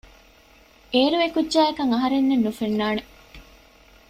އޭރު އެކުއްޖާއަކަށް އަހަރެންނެއް ނުފެންނާނެ